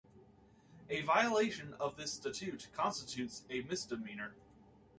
A violation of this statute constitutes a misdemeanor.